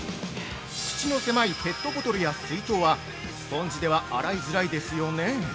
◆口の狭いペットボトルや水筒はスポンジでは洗いづらいですよね？